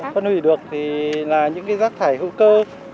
phân hủy được thì là những rác thải hữu cơ